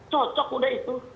cocok udah itu